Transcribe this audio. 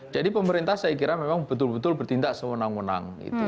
pemerintah saya kira memang betul betul bertindak sewenang wenang